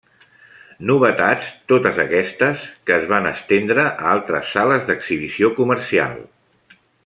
Novetats, totes aquestes, que es van estendre a altres sales d'exhibició comercial.